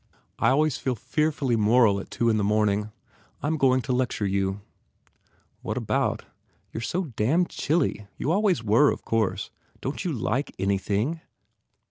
... I always feel fear fully moral at two in the morning. I m going to lecture you." 132 MARGOT "What about?" "You re so damned chilly. You always were, of course. Don t you like anything?"